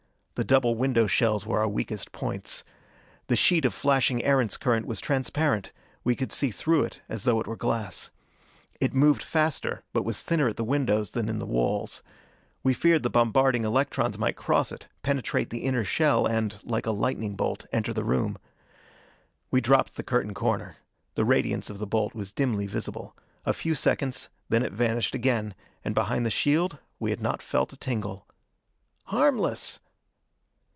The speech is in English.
The double window shells were our weakest points. The sheet of flashing Erentz current was transparent: we could see through it as though it were glass. It moved faster, but was thinner at the windows than in the walls. We feared the bombarding electrons might cross it, penetrate the inner shell and, like a lightning bolt, enter the room. We dropped the curtain corner. The radiance of the bolt was dimly visible. A few seconds, then it vanished again, and behind the shield we had not felt a tingle. "Harmless!"